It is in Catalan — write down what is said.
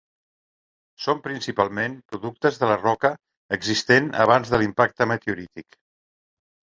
Són principalment productes de la roca existent abans de l'impacte meteorític.